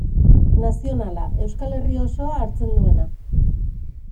Nazionala, Euskal Herri osoa hartzen duena.